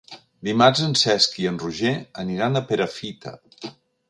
Dimarts en Cesc i en Roger aniran a Perafita.